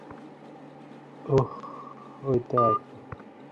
সেই গুঁড়ির কাছ-বরাবর রঘুপতি গভীর রাত্রে ডুব দিলেন ও অদৃশ্য হইয়া গেলেন।